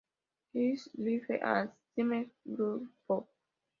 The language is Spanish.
His Life and Times", “Jruschov.